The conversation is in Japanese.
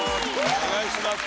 お願いします。